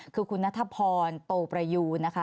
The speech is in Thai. คือคุณนัทพรโตประยูนนะคะ